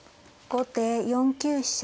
後手４九飛車。